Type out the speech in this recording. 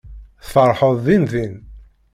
Tfeṛḥeḍ dindin.